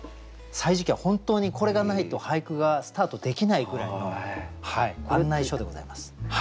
「歳時記」は本当にこれがないと俳句がスタートできないぐらいの案内書でございます。